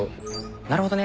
なるほどね。